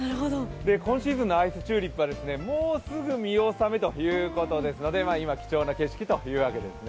今シーズンのアイスチューリップはもうすぐ見納めということですので今、貴重な景色というわけですね。